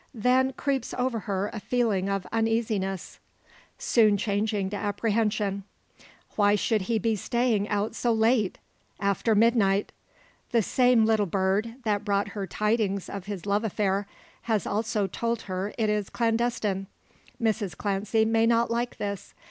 Then creeps over her a feeling of uneasiness, soon changing to apprehension. Why should he be staying out so late after midnight? The same little bird, that brought her tidings of his love affair, has also told her it is clandestine. Mrs Clancy may not like this.